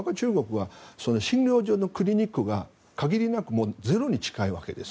中国は診療所、クリニックが限りなくゼロに近いわけです。